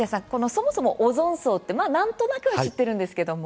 そもそもオゾン層ってまあ何となくは知ってるんですけども。